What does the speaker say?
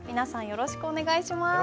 よろしくお願いします。